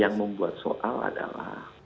yang membuat soal adalah